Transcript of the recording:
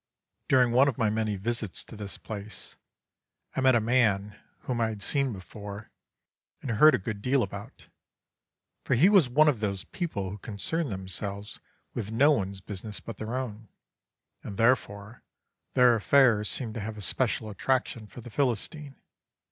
"During one of my many visits to this place, I met a man whom I had seen before and heard a good deal about, for he was one of those people who concern themselves with no one's business but their own, and, therefore, their affairs seem to have a special attraction for the Philistine.